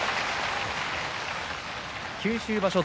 九州場所